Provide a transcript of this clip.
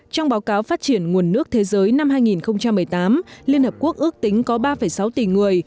trong báo cáo phát triển nguồn nước thế giới năm hai nghìn một mươi tám liên hợp quốc ước tính có ba sáu tỷ người